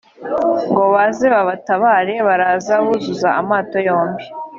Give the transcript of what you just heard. ngo baze babatabare baraza buzuza amato yombi